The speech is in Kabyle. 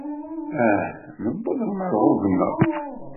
Ah! Newweḍ lmerɣub-nneɣ!